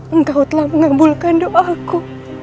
engkau telah mengambulkan doaku